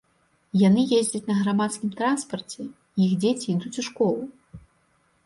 Яны ездзяць на грамадскім транспарце, іх дзеці ідуць у школу.